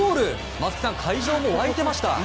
松木さん、会場も沸いてました。